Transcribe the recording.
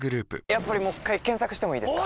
やっぱりもう一回検索してもいいですか？